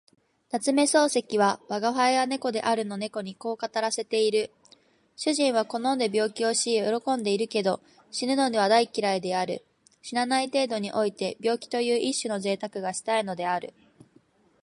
夏目漱石は吾輩は猫であるの猫にこう語らせている。主人は好んで病気をし喜んでいるけど、死ぬのは大嫌いである。死なない程度において病気という一種の贅沢がしたいのである。